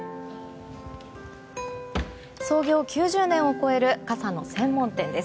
創業９０年を超える傘の専門店です。